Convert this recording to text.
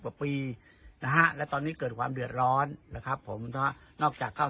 กว่าปีนะฮะและตอนนี้เกิดความเดือดร้อนนะครับผมนะนอกจากเข้า